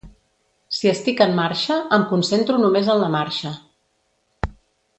Si estic en marxa, em concentro només en la marxa.